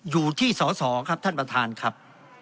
อยู่ที่สอสอครับท่านประธานครับ